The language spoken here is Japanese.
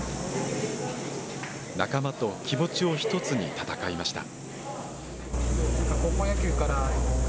仲間と気持ちを一つに戦いました。